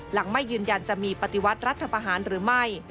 หลังไม่ยืนยันจะมีปฏิวัติรัฐภาภาษณ์หรือไม่